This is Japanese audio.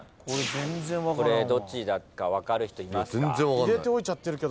これどっちだか分かる人いますか？